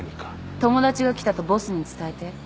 友達が来たとボスに伝えて。